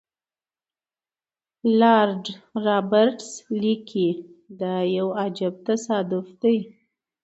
لارډ رابرټس لیکي دا یو عجیب تصادف دی.